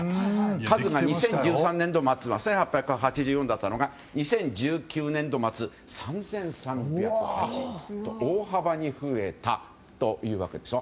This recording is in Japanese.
数が２０１３年度末は１８８４だったのが２０１９年度末は３３０８と大幅に増えたというわけでしょ。